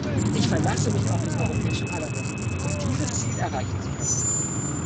Ich verlasse mich auf das Europäische Parlament, um dieses Ziel erreichen zu können.